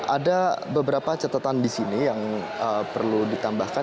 ada beberapa catatan di sini yang perlu ditambahkan